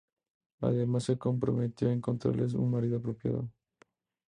Además se comprometió a encontrarle un marido apropiado.